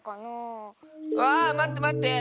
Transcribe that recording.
あまってまって！